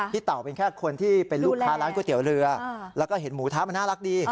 เต่าเป็นแค่คนที่เป็นลูกค้าร้านก๋วยเตี๋ยวเรือแล้วก็เห็นหมูทะมันน่ารักดี